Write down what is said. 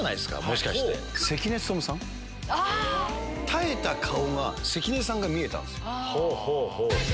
耐えた顔が関根さんが見えたんですよ。